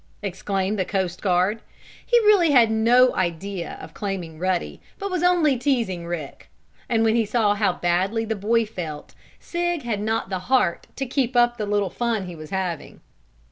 exclaimed the coast guard. He really had no idea of claiming Ruddy, but was only teasing Rick. And when he saw how badly the boy felt, Sig had not the heart to keep up the little fun he was having.